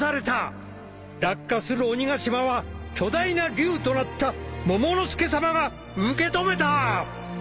落下する鬼ヶ島は巨大な龍となったモモの助さまが受け止めた！